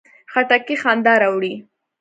خټکی خندا راوړي.